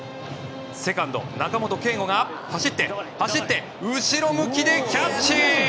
セカンド、中本圭吾が走って、走って後ろ向きでキャッチ！